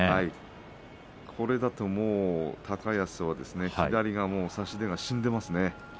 これだと、もう高安は左が差し手が死んでいますね。